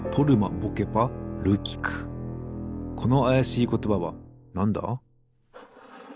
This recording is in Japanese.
このあやしいことばはなんだ？